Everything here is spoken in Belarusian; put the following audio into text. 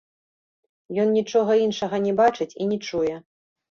Ён нічога іншага не бачыць і не чуе.